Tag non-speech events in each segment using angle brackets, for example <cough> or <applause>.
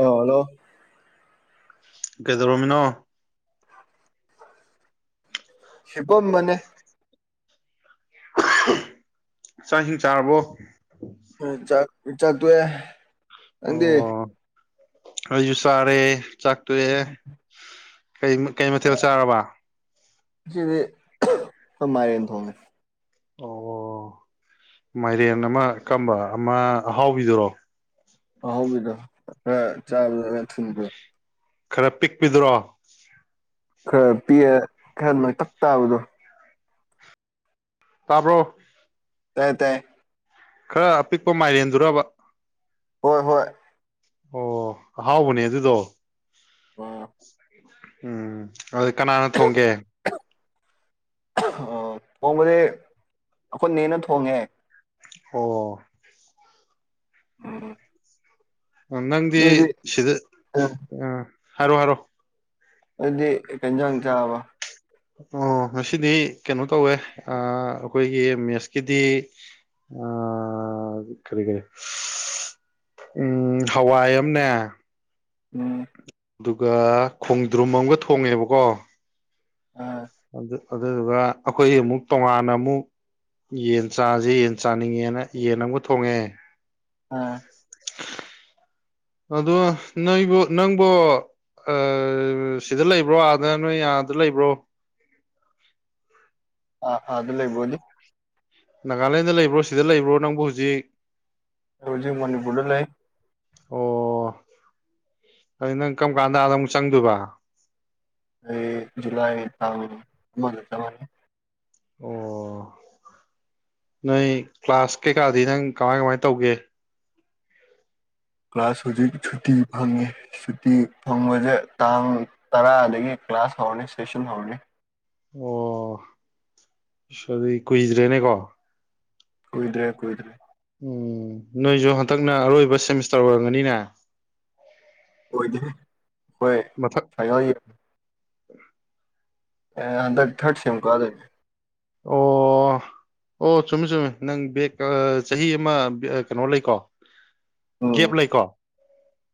ꯑ ꯍꯂꯣ ꯀꯩꯗꯧꯔꯝꯃꯤꯅꯣ ꯍꯤꯞꯄꯝꯕꯅꯦ ꯆꯥꯛ ꯏꯁꯤꯡ ꯆꯥꯔꯕꯣ ꯈꯣꯏ ꯆꯥꯛ ꯆꯥꯛ ꯇꯣꯛꯑꯦ ꯅꯪꯗꯤ ꯑꯣ ꯑꯩꯁꯨ ꯆꯥꯔꯦ ꯆꯥꯛ ꯇꯣꯛꯑꯦ ꯀꯩ ꯀꯩ ꯃꯊꯦꯜ ꯆꯥꯔꯕ ꯉꯁꯤꯗꯤ ꯈꯣꯏ ꯃꯥꯏꯔꯦꯟ ꯊꯣꯡꯉꯦ ꯑꯣ ꯑꯣ ꯃꯥꯏꯔꯦꯟ ꯑꯃ ꯀꯝꯕ ꯑꯃ ꯑꯍꯥꯎꯕꯤꯗꯨꯔꯣ ꯑꯍꯥꯎꯕꯤꯗꯣ ꯈꯔ ꯆꯥꯕꯗ ꯈꯔ ꯊꯨꯝꯕ ꯈꯔ ꯄꯤꯛꯄꯤꯗꯨꯔꯣ ꯈꯔ ꯄꯤꯛꯑꯦ ꯈꯔ ꯅꯥꯏꯇꯛ ꯇꯥꯕꯗꯣ ꯇꯥꯕ꯭ꯔꯣ ꯇꯥꯏ ꯇꯥꯏ ꯈꯔ ꯑꯄꯤꯛꯄ ꯃꯥꯏꯔꯦꯟꯗꯨꯔꯕ ꯍꯣꯏ ꯍꯣꯏ ꯑꯣ ꯑꯍꯥꯎꯕꯅꯦ ꯑꯗꯨꯗꯣ ꯎꯝ ꯑꯗꯨ ꯀꯅꯥꯅ ꯊꯣꯡꯒꯦ ꯑꯣ ꯊꯣꯡꯕꯗꯤ ꯑꯩꯈꯣꯏ ꯅꯦꯅ ꯊꯣꯡꯉꯦ ꯑꯣ ꯎꯝ ꯅꯪꯗꯤ ꯅꯣꯏꯗꯤ ꯁꯤꯗ ꯑꯥ ꯍꯥꯏꯔꯣ ꯍꯥꯏꯔꯣ ꯑꯗꯨꯗꯤ ꯀꯩ ꯏꯟꯖꯥꯡ ꯆꯥꯔꯕ ꯑꯣ ꯉꯁꯤꯗꯤ ꯀꯩꯅꯣ ꯇꯧꯋꯦ ꯑꯥ ꯑꯩꯈꯣꯏꯒꯤ ꯃ꯭ꯦꯠꯁꯀꯤꯗꯤ ꯑꯥ ꯀꯔꯤ ꯀꯔꯤ ꯎꯝ ꯍꯋꯥꯏ ꯑꯃꯅꯦ ꯎꯝ ꯑꯗꯨꯒ ꯈꯣꯡꯗ꯭ꯔꯨꯝ ꯑꯃꯒ ꯊꯣꯡꯉꯦꯕꯀꯣ ꯑꯥ ꯑꯗꯨ ꯑꯗꯨꯗꯨꯒ ꯑꯩꯈꯣꯏ ꯑꯃꯨꯛ ꯇꯣꯉꯥꯟꯅ ꯑꯃꯨꯛ ꯌꯦꯟ ꯆꯥꯖꯦ ꯌꯦꯟ ꯆꯥꯅꯤꯡꯉꯦꯅ ꯌꯦꯟ ꯑꯃꯒ ꯊꯣꯡꯉꯦ ꯑꯥ ꯑꯗꯣ ꯅꯣꯏꯕꯨ ꯅꯪꯕꯨ ꯑꯥ ꯁꯤꯗ ꯂꯩꯕ꯭ꯔꯣ ꯑꯥꯗ ꯅꯣꯏ ꯑꯥꯗ ꯂꯩꯕ꯭ꯔꯣ ꯑꯥ ꯑꯥꯗ ꯂꯩꯕ꯭ꯔꯣꯗꯤ ꯅꯥꯒꯥꯂꯦꯟꯗ ꯂꯩꯕ꯭ꯔꯣ ꯁꯤꯗ ꯂꯩꯕ꯭ꯔꯣ ꯅꯪꯕꯨ ꯍꯨꯖꯤꯛ ꯑꯩ ꯍꯧꯖꯤꯛ ꯃꯅꯤꯄꯨꯔꯗ ꯂꯩ ꯑꯣ ꯑꯩ ꯅꯪ ꯀꯔꯝ ꯀꯥꯟꯗ ꯑꯃꯨꯛ ꯆꯪꯗꯣꯏꯕ ꯑꯩ ꯖꯨꯂꯥꯏ ꯇꯥꯡ ꯑꯃꯗ ꯆꯪꯉꯅꯤ ꯑꯣ ꯅꯣꯏ ꯀ꯭ꯂꯥꯁ ꯀꯩꯀꯥꯗꯤ ꯅꯪ ꯀꯃꯥꯏ ꯀꯃꯥꯏ ꯇꯧꯒꯦ ꯀ꯭ꯂꯥꯁ ꯍꯧꯖꯤꯛ ꯁꯨꯇꯤ ꯐꯪꯉꯦ ꯁꯨꯇꯤ ꯐꯪꯕꯁꯦ ꯇꯥꯡ ꯇꯔꯥꯗꯒꯤ ꯀ꯭ꯂꯥꯁ ꯍꯧꯔꯅꯤ ꯁꯦꯁꯟ ꯍꯧꯔꯅꯤ ꯑꯣ ꯑꯁ ꯑꯗꯨꯗꯤ ꯀꯨꯏꯗ꯭ꯔꯦꯅꯦꯀꯣ ꯀꯨꯏꯗ꯭ꯔꯦ ꯀꯨꯏꯗ꯭ꯔꯦ ꯎꯝ ꯅꯣꯏꯖꯨ ꯍꯟꯗꯛꯅ ꯑꯔꯣꯏꯕ ꯁꯦꯃꯤꯁꯇꯔ ꯑꯣꯏꯔꯝꯒꯅꯤꯅꯦ ꯃꯊꯛ <unintelligible> <inaudible> ꯑꯥ ꯍꯟꯗꯛ ꯊꯔꯠ ꯁꯦꯝ ꯀꯥꯗꯨꯏꯅꯦ ꯑꯣ ꯑꯣ ꯆꯨꯝꯃꯤ ꯆꯨꯝꯃꯤ ꯅꯪ ꯕꯦꯒ ꯆꯍꯤ ꯑꯃ ꯀꯩꯅꯣ ꯂꯩꯀꯣ ꯎꯝ ꯒꯦꯞ ꯂꯩꯀꯣ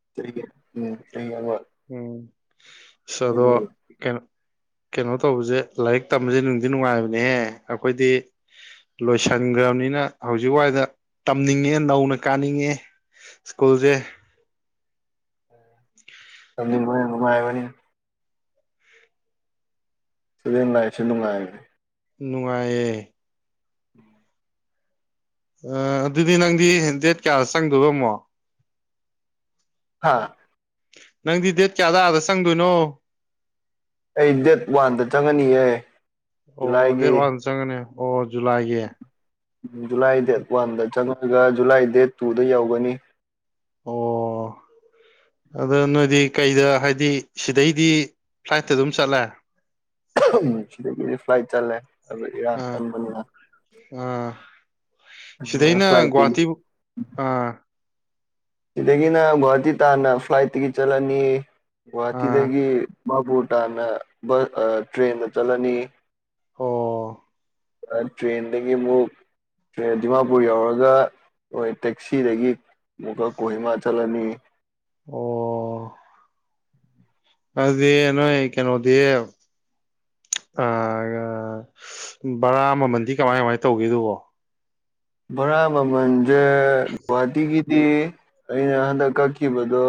<unintelligible> ꯏꯁ ꯑꯥꯗꯣ ꯀꯩ ꯀꯩꯅꯣ ꯇꯧꯕꯁꯦ ꯂꯥꯏꯔꯤꯛ ꯇꯝꯕꯁꯦ ꯅꯨꯡꯗꯤ ꯅꯨꯡꯉꯥꯏꯕꯅꯦꯍꯦ ꯑꯩꯈꯣꯏꯗꯤ ꯂꯣꯏꯁꯟꯒ꯭ꯔꯕꯅꯤꯅ ꯍꯧꯖꯤꯛ ꯋꯥꯏꯗ ꯇꯝꯅꯤꯡꯉꯦ ꯅꯧꯅ ꯀꯥꯅꯤꯡꯉꯦ ꯁ꯭ꯀꯨꯜꯁꯦ ꯇꯝꯅꯤꯡꯕꯅꯦ ꯅꯨꯡꯉꯥꯏꯕꯅꯦ ꯁ꯭ꯇꯨꯗꯦꯟ ꯂꯥꯏꯐ ꯁꯦꯅꯨꯡꯉꯥꯏꯌꯦ ꯅꯨꯡꯉꯥꯏꯌꯦ ꯑꯗꯨꯗꯤ ꯅꯪꯗꯤ ꯗꯦꯠ ꯀꯌꯥ ꯆꯪꯗꯣꯏꯕ ꯑꯃꯨꯛ ꯍꯥꯥ ꯅꯪꯗꯤ ꯗꯦꯠ ꯀꯌꯥ ꯑꯥꯗꯗ ꯆꯪꯗꯣꯏꯅꯣ ꯑꯩ ꯗꯦꯠ ꯋꯥꯟꯗ ꯆꯪꯉꯅꯤꯌꯦ ꯑꯣ ꯗꯦꯠ ꯖꯨꯂꯥꯏꯒꯤ ꯋꯥꯟ ꯆꯪꯉꯅꯤ ꯑꯣ ꯖꯨꯂꯥꯏꯒꯤ ꯎꯝ ꯖꯨꯂꯥꯏ ꯗꯦꯠ ꯋꯥꯟꯗ ꯆꯪꯉꯒ ꯖꯨꯂꯥꯏ ꯗꯦꯠ ꯇꯨꯗ ꯌꯧꯒꯅꯤ ꯑꯣ ꯑꯗ ꯅꯣꯏꯗꯤ ꯀꯩꯗ ꯍꯥꯏꯗꯤ ꯁꯤꯗꯩꯗꯤ ꯐ꯭ꯂꯥꯏꯠꯇ ꯑꯗꯨꯝ ꯆꯠꯂꯦ ꯁꯤꯗꯒꯤꯗꯤ ꯐ꯭ꯂꯥꯏꯠ ꯆꯠꯂꯦ ꯑꯗꯨꯒ ꯏꯔꯥꯡ ꯑꯥ ꯀꯟꯕꯅꯤꯅ ꯑꯥ ꯁꯤꯗꯩꯅ ꯐ꯭ꯂꯥꯏꯠꯇꯒꯤ ꯒꯨꯍꯥꯇꯤꯕꯨ ꯑꯥ ꯁꯤꯗꯒꯤꯅ ꯒꯨꯍꯥꯇꯤ ꯇꯥꯟꯅ ꯐ꯭ꯂꯥꯏꯠꯇꯒꯤ ꯆꯠꯂꯅꯤ ꯑꯥ ꯒꯨꯍꯥꯇꯤꯗꯒꯤ ꯗꯤꯃꯄꯨꯔ ꯇꯥꯟꯅ ꯇ꯭ꯔꯦꯟꯗ ꯆꯠꯂꯅꯤ ꯑꯣ ꯇ꯭ꯔꯦꯟꯗꯒꯤ ꯑꯃꯨꯛ ꯇ꯭ꯔꯦꯟ ꯗꯤꯃꯥꯄꯨꯔ ꯌꯧꯔꯒ ꯍꯣꯏ ꯇꯦꯛꯁꯤꯗꯒꯤ ꯃꯨꯒꯥ ꯀꯣꯍꯤꯃꯥ ꯆꯠꯂꯅꯤ ꯑꯣ ꯑꯗꯤ ꯅꯣꯏ ꯀꯩꯅꯣꯗꯤ ꯑꯥ ꯕꯔꯥ ꯃꯃꯜꯗꯤ ꯀꯃꯥꯏ ꯀꯃꯥꯏ ꯇꯧꯒꯦꯗꯨꯕꯣ ꯕꯔꯥ ꯃꯃꯟꯖꯦ ꯒꯨꯍꯥꯇꯤꯒꯤ ꯗꯤ ꯑꯩꯅ ꯍꯟꯗꯛ ꯀꯛꯈꯤꯕꯗꯣ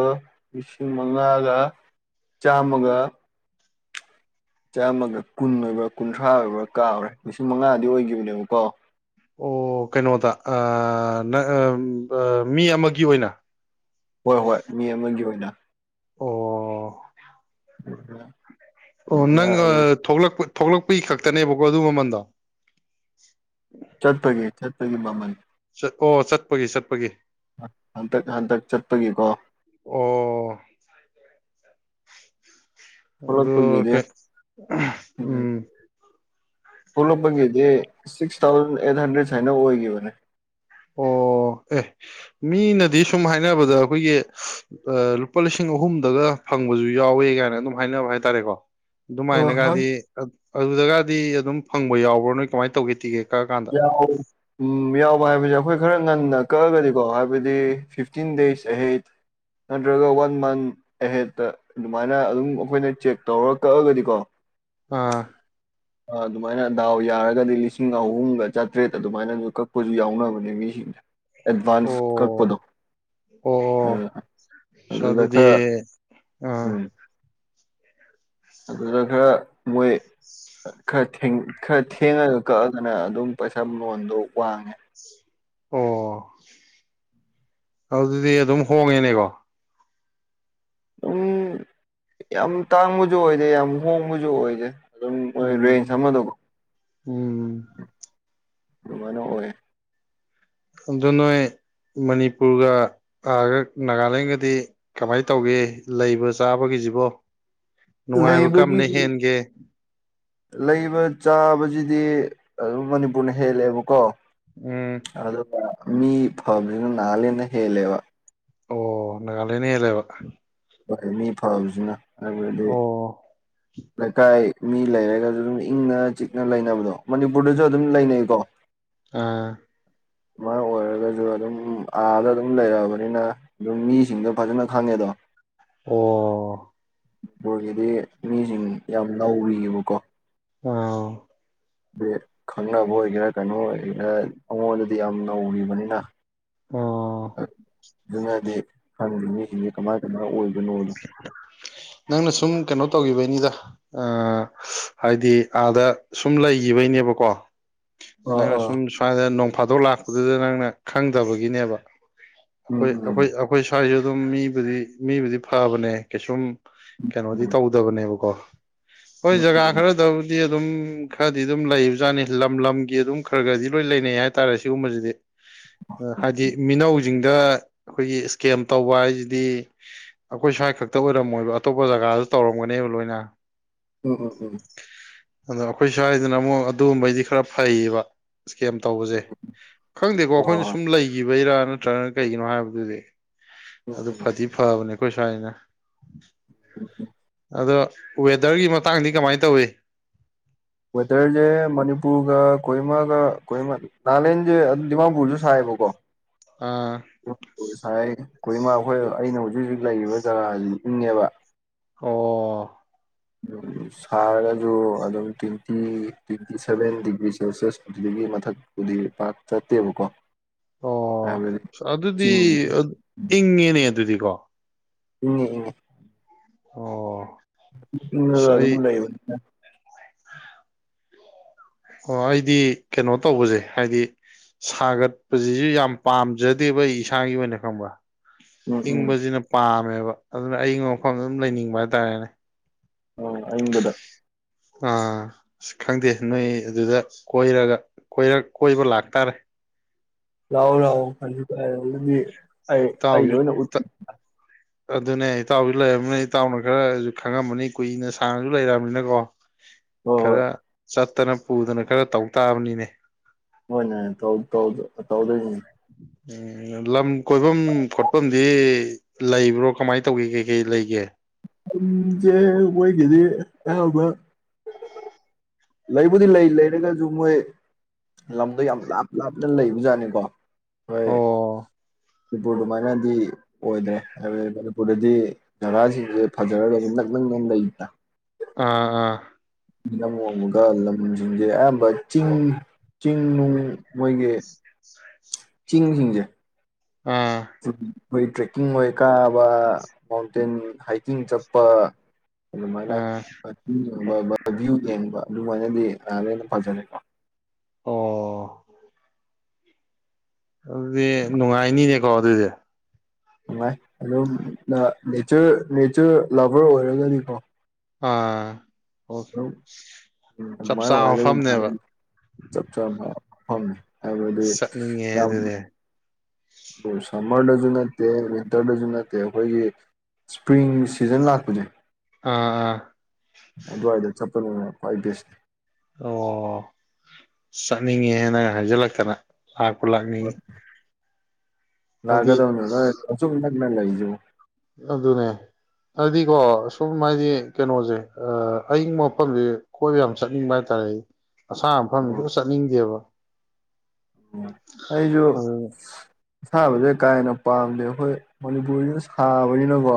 ꯂꯤꯁꯤꯡ ꯃꯉꯥꯒ ꯆꯥꯃꯒ ꯆꯥꯝꯃꯒ ꯀꯨꯟ ꯑꯣꯏꯕ꯭ꯔꯥ ꯀꯨꯟꯊ꯭ꯔꯥ ꯑꯣꯏꯕ꯭ꯔꯥ ꯀꯥꯎꯔꯦ ꯂꯤꯁꯤꯡ ꯃꯉꯥꯗꯤ ꯑꯣꯏꯒꯤꯕꯅꯦꯕꯀꯣ ꯑꯣ ꯀꯩꯅꯣꯗ ꯑꯥ ꯃꯤ ꯑꯃꯒꯤ ꯑꯣꯏꯅ ꯍꯣꯏ ꯍꯣꯏ ꯃꯤ ꯑꯃꯒꯤ ꯑꯣꯏꯅ ꯑꯣ <unintelligible> ꯑꯣ ꯑꯗꯨꯃꯥꯏꯅ ꯅꯪꯒ ꯑꯗꯨ ꯊꯣꯛꯂꯛꯄ ꯊꯣꯛꯂꯛꯄꯒꯤ ꯈꯛꯇꯅꯦꯕꯀꯣ ꯑꯗꯨ ꯃꯃꯟꯗꯣ ꯆꯠꯄꯒꯤ ꯆꯠꯄꯒꯤ ꯃꯃꯟ ꯑꯣ ꯆꯠꯄꯒꯤ ꯆꯠꯄꯒꯤ ꯍꯟꯇꯛ ꯍꯟꯇꯛ ꯆꯠꯄꯒꯤꯀꯣ ꯑꯣ ꯑꯗꯣ ꯊꯣꯛꯂꯛꯄꯒꯤꯗꯤ ꯀꯦ ꯎꯝ ꯊꯣꯛꯂꯛꯄꯒꯤꯗꯤ ꯁꯤꯛꯁ ꯊꯥꯎꯖꯟ ꯑꯦꯠ ꯍꯟꯗ꯭ꯔꯦꯗ ꯁꯨꯃꯥꯏꯅ ꯑꯣꯏꯒꯤꯕꯅꯦ ꯑꯣ ꯑꯦ ꯃꯤꯅꯗꯤ ꯁꯨꯝ ꯍꯥꯏꯅꯕꯗ ꯑꯈꯣꯏꯒꯤ ꯂꯨꯄꯥ ꯂꯤꯁꯤꯡ ꯑꯍꯨꯝꯗꯒ ꯐꯪꯕꯖꯨ ꯌꯥꯎꯋꯤ ꯀꯥꯏꯅ ꯑꯗꯨꯝ ꯍꯥꯏꯅꯕ ꯍꯥꯏꯇꯥꯔꯦꯀꯣ ꯑꯗꯨꯃꯥꯏꯅꯒꯗꯤ ꯑꯗꯨꯗꯒꯗꯤ ꯑꯗꯨꯝ ꯐꯪꯕ ꯌꯥꯎꯕ꯭ꯔꯣ ꯅꯣꯏ ꯀꯃꯥꯏꯅ ꯇꯧꯒꯦ ꯇꯤꯒꯦ ꯌꯥꯎ ꯋꯤ ꯎꯝ ꯌꯥꯎꯕ ꯍꯥꯏꯕꯖꯦ ꯍꯣꯏ ꯈꯔ ꯉꯟꯅ ꯀꯛꯑꯒꯗꯤꯀꯣ ꯍꯥꯏꯕꯗꯤ ꯐꯤꯐꯇꯤꯟ ꯗꯦꯖ ꯑꯍꯦꯠ ꯅꯠꯇ꯭ꯔꯒ ꯋꯥꯟ ꯃꯟ ꯑꯦꯍꯦꯠꯇ ꯑꯗꯨꯃꯥꯏꯅ ꯑꯗꯨꯝ ꯑꯩꯈꯣꯏꯅ ꯆꯦꯛ ꯇꯧꯔ ꯀꯛꯑꯒꯗꯤꯀꯣ ꯑꯥ ꯑꯗꯨꯃꯥꯏꯅ ꯗꯥꯎ ꯌꯥꯔꯒꯗꯤ ꯂꯤꯁꯤꯡ ꯑꯍꯨꯝꯒ ꯆꯥꯇ꯭ꯔꯦꯠ ꯑꯗꯨꯃꯥꯏꯅꯁꯨ ꯀꯛꯄꯁꯨ ꯌꯥꯎꯅꯕꯅꯦ ꯃꯤꯁꯤꯡꯁꯦ ꯑꯦꯠꯚꯥꯟꯁ ꯑꯣ ꯀꯛꯄꯗꯣ ꯑꯥ ꯑꯣ ꯑꯁ ꯑꯗꯨꯗ ꯑꯗꯨꯗꯤ ꯈꯔ ꯑꯥ ꯎꯝ ꯑꯗꯨꯗ ꯈꯔ ꯃꯣꯏ ꯈꯔ ꯊꯦꯡ ꯈꯔ ꯊꯦꯡꯉꯒ ꯀꯛꯑꯒꯅ ꯑꯗꯨꯝ ꯄꯩꯁꯥ ꯃꯃꯜꯗꯣ ꯋꯥꯡꯉꯦ ꯑꯣ ꯑꯗꯨꯗꯤ ꯑꯗꯨꯝ ꯍꯣꯡꯉꯦꯅꯦꯀꯣ ꯎꯝ ꯌꯥꯝ ꯇꯥꯡꯕꯖꯨ ꯑꯣꯏꯗꯦ ꯌꯥꯝ ꯍꯣꯡꯕꯖꯨ ꯑꯣꯏꯗꯦ ꯑꯗꯨꯝ ꯔꯦꯟꯖ ꯎꯝ ꯑꯃꯗꯀꯣ ꯎꯝ ꯑꯗꯨꯝꯃꯥꯏꯅ ꯑꯣꯏ ꯑꯗꯨ ꯅꯣꯏ ꯃꯅꯤꯄꯨꯔꯒ ꯅꯥꯒꯥꯂꯦꯟꯒꯗꯤ ꯀꯃꯥꯏ ꯇꯧꯒꯦ ꯂꯩꯕ ꯆꯥꯕꯒꯤ ꯁꯤꯕꯣ ꯅꯨꯡꯉꯥꯏꯕ ꯀꯔꯝꯕꯅ ꯂꯩꯕꯒꯤꯗꯤ ꯍꯦꯟꯒꯦ ꯂꯩꯕ ꯆꯥꯕꯖꯤꯗꯤ ꯑꯗꯨꯝ ꯃꯅꯤꯄꯨꯔꯅ ꯍꯦꯜꯂꯦꯕꯀꯣ ꯎꯝ ꯑꯗꯨ ꯃꯤ ꯐꯕꯖꯤꯅ ꯅꯥꯒꯥꯂꯦꯟꯅ ꯍꯦꯜꯂꯦꯕ ꯑꯣ ꯅꯥꯒꯥꯂꯦꯟꯅ ꯍꯦꯜꯂꯦꯕ ꯍꯣꯏ ꯃꯤ ꯐꯕꯖꯤꯅ ꯍꯥꯏꯕꯗꯤ ꯑꯣ ꯂꯩꯀꯥꯏ ꯃꯤ ꯂꯩꯔꯒꯖꯨ ꯑꯗꯨꯝ ꯏꯪꯅ ꯆꯤꯛꯅ ꯂꯩꯅꯕꯗꯣ ꯃꯅꯤꯄꯨꯔꯗꯖꯨ ꯑꯗꯨꯝ ꯂꯩꯅꯩꯀꯣ ꯑꯥ ꯑꯣꯏꯔꯒꯖꯨ ꯑꯗꯨꯝ ꯑꯥꯗ ꯑꯗꯨꯝ ꯂꯩꯑꯔꯕꯅꯤꯅ ꯑꯗꯨꯝ ꯃꯤꯁꯤꯡꯗꯣ ꯐꯖꯅ ꯈꯪꯉꯦꯗꯣ ꯑꯣ ꯃꯅꯤꯄꯨꯔꯒꯤꯗꯤ ꯃꯤꯁꯤꯡ ꯌꯥꯝ ꯅꯧꯔꯤꯕꯀꯣ ꯑꯥꯎ ꯈꯪꯅꯕ ꯑꯣꯏꯒꯦꯔꯥ ꯀꯩꯅꯣ ꯑꯣꯏꯒꯦꯔꯥ ꯑꯩꯉꯣꯟꯗꯗꯤ ꯌꯥꯝ ꯅꯧꯔꯤꯕꯅꯤꯅ ꯑꯣ ꯑꯗꯨꯅꯗꯤ ꯍꯥꯟꯅꯒꯤ ꯃꯤꯁꯤꯡꯁꯦ ꯀꯃꯥꯏ ꯀꯃꯥꯏ ꯑꯣꯏꯕꯅꯣꯗꯣ ꯅꯪꯅ ꯁꯨꯝ ꯀꯩꯅꯣ ꯇꯧꯒꯤꯕꯩꯅꯤꯗ ꯑꯥ ꯍꯥꯏꯗꯤ ꯑꯥꯗ ꯁꯨꯝ ꯂꯩ ꯒꯤꯕꯩꯅꯦꯕꯀꯣ ꯑꯥ ꯅꯪꯅ ꯑꯥ ꯁꯨꯝ ꯁꯋꯥꯏꯗ ꯅꯣꯡ ꯐꯥꯗꯣꯛ ꯂꯥꯛꯄꯗꯨꯗ ꯅꯪꯅ ꯈꯪꯗꯕꯒꯤꯅꯦꯕ ꯎꯝ ꯑꯈꯣꯏ ꯎꯝ ꯑꯈꯣꯏ ꯑꯈꯣꯏ ꯁ꯭ꯋꯥꯏꯖꯨ ꯑꯗꯨꯝ ꯃꯤꯕꯨꯗꯤ ꯃꯤꯕꯨꯗꯤ ꯐꯕꯅꯦ ꯀꯩꯁꯨꯝ ꯀꯩꯅꯣꯗꯤ ꯎꯝ ꯇꯧꯗꯕꯅꯦꯕꯀꯣ ꯍꯣꯏ ꯎꯝ ꯖꯒꯥ ꯈꯔꯗꯕꯨꯗꯤ ꯑꯗꯨꯝ ꯈꯔꯗꯤ ꯑꯗꯨꯝ ꯂꯩꯕꯖꯥꯠꯅꯤ ꯂꯝ ꯂꯝꯒꯤ ꯑꯗꯨꯝ ꯈꯔꯒꯗꯤ ꯂꯣꯏ ꯂꯩꯅꯩ ꯍꯥꯏꯇꯥꯔꯦ ꯁꯤꯒꯨꯝꯕꯁꯤꯗꯤ ꯍꯥꯏꯗꯤ ꯃꯤꯅꯧꯖꯤꯡꯗ ꯑꯈꯣꯏꯒꯤ ꯁꯀꯦꯝ ꯇꯧꯕ ꯍꯥꯏꯖꯤꯗꯤ ꯑꯩꯈꯣꯏ ꯁ꯭ꯋꯥꯏ ꯈꯛꯇ ꯑꯣꯏꯔꯝꯃꯣꯏꯕ ꯑꯇꯣꯞꯄ ꯖꯒꯥꯗꯁꯨ ꯇꯧꯔꯝꯒꯅꯦꯕ ꯂꯣꯏꯅ ꯎꯝ ꯎꯝ ꯎꯝ ꯎꯝ ꯑꯗꯣ ꯑꯩꯈꯣꯏ ꯁ꯭ꯋꯥꯏꯗꯅ ꯑꯃꯨꯛ ꯑꯗꯨꯒꯨꯝꯕꯩꯗꯤ ꯈꯔ ꯐꯩꯌꯦꯕ ꯀꯦꯝ ꯇꯧꯕꯖꯦ ꯈꯪꯗꯦꯀꯣ ꯑꯩꯈꯣꯏꯅ ꯑꯣ ꯁꯨꯝ ꯂꯩꯒꯤꯕꯩꯔꯥ ꯅꯠꯇ꯭ꯔꯒ ꯀꯩꯒꯤꯅꯣ ꯍꯥꯏꯕꯗꯨꯗꯤ ꯎꯝ ꯑꯗꯨ ꯎꯝ ꯐꯗꯤ ꯐꯕꯅꯦ ꯑꯈꯣꯏ ꯁ꯭ꯋꯥꯏꯖꯤꯅ ꯑꯗꯣ ꯋꯦꯗꯔꯒꯤ ꯃꯇꯥꯡꯗꯤ ꯀꯃꯥꯏ ꯇꯧꯏ ꯋꯦꯗꯔꯖꯦ ꯃꯅꯤꯄꯨꯔꯒ ꯀꯣꯍꯤꯃꯥꯒ ꯀꯣꯍꯤꯃ ꯅꯒꯥꯂꯦꯟꯖꯦ ꯗꯤꯃꯥꯄꯨꯔꯖꯨ ꯁꯥꯏꯌꯦꯕꯀꯣ ꯑꯥ ꯉꯁꯥꯏ ꯀꯣꯍꯤꯃꯥ ꯑꯈꯣꯏ ꯑꯩꯅ ꯍꯧꯖꯤꯛ ꯍꯧꯖꯤꯛ ꯂꯩꯔꯤꯕ ꯖꯒꯥꯁꯤꯗꯤ ꯏꯪꯉꯦꯕ ꯑꯣ ꯁꯥꯔꯒꯁꯨ ꯑꯗꯨꯝ twenty twenty seven degree Celsius ꯒꯤ ꯃꯊꯛꯇꯗꯤ ꯄꯥꯛ ꯆꯠꯇꯦꯕꯀꯣ ꯑꯣ ꯍꯥꯏꯕꯗꯤ ꯑꯗꯨꯗꯤ ꯆꯤꯡꯒꯤ ꯏꯪꯉꯤꯅꯦ ꯑꯗꯨꯗꯤꯀꯣ ꯏꯪꯉꯦ ꯏꯪꯉꯦ ꯑꯣ ꯏꯪꯉꯒ ꯑꯁ ꯑꯗꯨꯝ ꯑꯩ ꯂꯩꯕꯅꯤꯅꯥ ꯑꯣ ꯑꯩꯗꯤ ꯀꯦꯅꯣ ꯇꯧꯕꯖꯦ ꯍꯥꯏꯗꯤ ꯁꯥꯒꯠꯄꯖꯤꯖꯨ ꯌꯥꯝ ꯄꯥꯝꯖꯗꯦꯕ ꯑꯩ ꯏꯁꯥꯒꯤ ꯑꯣꯏꯅ ꯈꯪꯕ꯭ꯔꯥ ꯎꯝ ꯎꯝ ꯏꯪꯕꯖꯤꯅ ꯄꯥꯝꯃꯦꯕ ꯑꯗꯨꯅ ꯑꯏꯪꯕ ꯃꯐꯝꯗ ꯑꯗꯨꯝ ꯂꯩꯅꯤꯡꯕ ꯍꯥꯏꯇꯥꯔꯦꯅꯦ ꯑꯣ ꯑꯏꯪꯕꯗ ꯑꯥ ꯁ ꯈꯪꯗꯦ ꯅꯣꯏ ꯑꯗꯨꯗ ꯀꯣꯏꯔꯒ ꯀꯣꯏꯔꯛ ꯀꯣꯏꯕ ꯂꯥꯛꯇꯥꯔꯦ <inaudible> ꯂꯥꯑꯣ ꯂꯥꯑꯣ ꯐꯟꯖꯨ ꯑꯩ ꯑꯩ ꯏꯇꯥꯎꯁꯨ ꯂꯣꯏꯅ ꯎ ꯑꯗꯨꯅꯦ ꯏꯇꯥꯎꯖꯨ ꯂꯩꯔꯕꯅꯤꯅ ꯏꯇꯥꯎꯅ ꯈꯔꯖꯨ ꯈꯪꯉꯝꯃꯅꯤ ꯀꯨꯏꯅ ꯁꯥꯡꯅꯖꯨ ꯂꯩꯔꯛꯑꯕꯅꯤꯅꯀꯣ ꯍꯣꯏ ꯍꯣꯏ ꯈꯔ ꯆꯠꯇꯅ ꯄꯨꯗꯅ ꯈꯔ ꯇꯧ ꯇꯥꯕꯅꯤꯅꯦ ꯍꯣꯏꯅꯦ ꯇꯧ ꯇꯧ ꯇꯧꯗꯣꯏꯅꯤ ꯎꯝ ꯂꯝ ꯀꯣꯏꯕꯝ ꯈꯣꯠꯐꯝꯗꯤ ꯂꯩꯕ꯭ꯔꯣ ꯀꯃꯥꯏ ꯇꯧꯒꯦ ꯀꯩ ꯀꯩ ꯂꯩꯒꯦ ꯂꯝꯖꯦ ꯃꯣꯏꯒꯤꯗꯤ ꯑꯌꯥꯝꯕ ꯂꯩꯕꯨꯗꯤ ꯂꯩ ꯂꯩꯔꯒꯖꯨ ꯃꯣꯏ ꯂꯝꯗꯣ ꯌꯥꯝ ꯂꯥꯞ ꯂꯥꯞꯅ ꯂꯩꯕ ꯖꯥꯠꯅꯤꯀꯣ ꯍꯣꯏ ꯑꯣ ꯃꯅꯤꯄꯨꯔ ꯑꯗꯨꯃꯥꯏꯅꯗꯤ ꯑꯣꯏꯗꯔꯦ ꯍꯥꯏꯕꯗꯤ ꯃꯅꯤꯄꯨꯔꯗꯗꯤ ꯖꯒꯥꯥꯁꯤꯡꯖꯦ ꯐꯖꯅ ꯗꯨꯝ ꯅꯛ ꯅꯩ ꯅꯣꯡ ꯂꯩꯗ ꯑꯥ ꯑꯥ ꯏꯋꯥꯡ ꯋꯥꯡꯕꯒ ꯂꯝꯖꯤꯡꯖꯦ ꯑꯌꯥꯝꯕ ꯆꯤꯡ ꯆꯤꯡ ꯅꯨꯡ ꯃꯣꯏꯒꯤ ꯆꯤꯡꯖꯤꯡꯁꯦ ꯑꯥ <unintelligible> ꯈꯣꯏ ꯇ꯭ꯔꯦꯛꯀꯤꯡ ꯑꯣꯏ ꯀꯥꯕ ꯃꯥꯎꯟꯇꯦꯟ ꯍꯥꯏꯀꯤꯡ ꯆꯠꯄ ꯑꯗꯨꯃꯥꯏꯅ ꯑꯥ ꯑ ꯚ꯭ꯌꯨ ꯌꯦꯡꯕ ꯚ꯭ꯌꯨ ꯌꯦꯡꯕ ꯑꯗꯨꯃꯥꯏꯅꯗꯤ ꯍꯥꯟꯅꯗꯩꯗꯨꯝ ꯐꯖꯔꯦꯀꯣ ꯑꯣ ꯑꯗꯨꯗꯤ ꯅꯨꯡꯉꯥꯏꯅꯤꯅꯦꯀꯣ ꯑꯗꯨꯗꯤ ꯅꯨꯡꯉꯥꯏ ꯑꯗꯨꯝ ꯅ ꯅꯦꯆꯔ ꯅꯦꯆꯔ ꯂꯚꯔ ꯑꯣꯏꯔꯒꯅꯤꯀꯣ ꯑꯥ ꯑꯣ ꯆꯞ ꯑꯗꯨꯃꯥꯏꯅ ꯆꯥꯕ ꯑꯣꯏꯔꯒꯗꯤ ꯅꯍꯥꯟ ꯃꯐꯝꯅꯦꯕ ꯆꯞ ꯆꯥꯕ ꯃꯐꯝꯅꯤ ꯍꯥꯏꯕꯗꯤ ꯆꯠꯅꯤꯡꯉꯦ ꯌꯥꯝ ꯑꯗꯨꯗꯤ ꯑꯗꯨ ꯁꯝꯃꯔꯗꯖꯨ ꯅꯠꯇꯦ ꯋꯤꯟꯇꯔꯗꯖꯨ ꯅꯠꯇꯦ ꯑꯩꯈꯣꯏꯒꯤ ꯏꯁꯄ꯭ꯔꯤꯡ ꯁꯤꯖꯟ ꯂꯥꯛꯄꯖꯦ ꯑꯥ ꯑꯥ ꯑꯗꯨꯋꯥꯏꯗ ꯆꯠꯄꯅꯕꯨ ꯈ꯭ꯋꯥꯏ ꯕꯦꯁꯅꯦ ꯑꯣ ꯆꯠꯅꯤꯡꯉꯤꯍꯦ ꯅꯪꯅ ꯍꯥꯏꯖꯤꯜꯂꯛꯇꯅ ꯂꯥꯛꯄꯨ ꯂꯥꯛꯅꯤꯡꯏ ꯂꯥꯛꯀꯗꯧꯅꯤ ꯅꯣꯏ ꯑꯆꯨꯝ ꯅꯛꯅ ꯂꯩꯖꯤꯕꯣ ꯑꯗꯨꯅꯦ ꯑꯗꯨꯗꯤꯀꯣ ꯁꯨꯝ ꯍꯥꯏꯗꯤ ꯀꯅꯣꯖꯦ ꯑ ꯑꯌꯤꯡꯕ ꯃꯐꯝꯖꯦ ꯀꯣꯏꯕ ꯌꯥꯝ ꯆꯠꯅꯤꯡꯕ ꯍꯥꯏꯇꯥꯔꯦ ꯑꯗꯩ ꯑꯁꯥ ꯃꯐꯝꯖꯦ ꯁꯨꯛꯆꯠ ꯆꯠꯅꯤꯡꯗꯦꯕ ꯑꯩꯖꯨ ꯑꯗꯨ ꯑꯁꯥꯕꯖꯦ ꯀꯥ ꯍꯦꯟꯅ ꯄꯥꯝꯗꯦ ꯈꯣꯏ ꯃꯅꯤꯄꯨꯔꯖꯤꯅ ꯁꯥꯕꯅꯤꯅꯀꯣ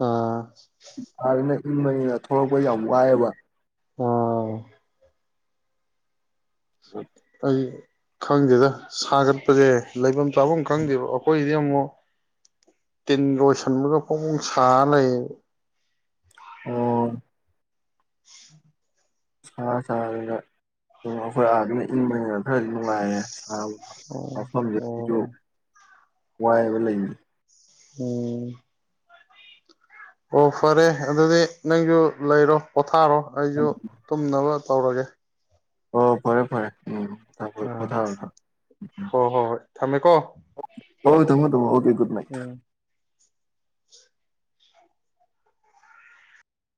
ꯑꯥ ꯑꯥꯗꯅ ꯏꯪꯕꯅꯤꯅ ꯊꯣꯛꯂꯛꯄ ꯌꯥꯝ ꯋꯥꯏꯑꯦꯕ ꯑꯥ ꯎꯝ ꯈꯪꯗꯦꯗꯥ ꯁꯥꯒꯠꯄꯖꯦ ꯂꯩꯕꯝ ꯆꯥꯕꯝ ꯈꯪꯗꯦꯕ ꯑꯩꯈꯣꯏꯗꯤ ꯑꯃꯨꯛ ꯇꯤꯟꯒ ꯑꯣꯏꯁꯟꯕꯒ ꯐꯣꯡ ꯐꯣꯡ ꯁꯥ ꯂꯩꯌꯦ ꯑꯣ ꯎꯝ ꯁꯥ ꯁꯥꯗꯨꯅ ꯑꯩꯈꯣꯏ ꯑꯥꯗꯨꯅ ꯏꯪꯕꯅꯤꯅ ꯈꯔꯗꯤ ꯅꯨꯡꯉꯥꯏꯔꯦ ꯑꯣ ꯃꯐꯝꯁꯦ ꯑꯣ ꯑꯩꯁꯨ ꯋꯥꯏꯕ ꯂꯩꯅꯤ ꯎꯝ ꯑꯣ ꯐꯔꯦ ꯑꯗꯨꯗꯤ ꯅꯪꯁꯨ ꯂꯩꯔꯣ ꯄꯣꯊꯥꯔꯣ ꯑꯩꯁꯨ ꯇꯨꯝꯅꯕ ꯇꯧꯔꯒꯦ ꯑꯣ ꯐꯔꯦ ꯐꯔꯦ ꯎꯝ ꯎ ꯄꯣꯊꯥꯔꯣ ꯍꯣ ꯍꯣ ꯍꯣ ꯊꯝꯃꯦꯀꯣ ꯍꯣ ꯊꯃꯣ ꯊꯃꯣ ꯑꯣꯀꯦ ꯒꯨꯠꯅꯥꯏꯠ ꯎꯝ